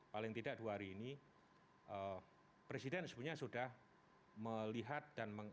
paling tidak dua hari ini presiden sebenarnya sudah melihat dan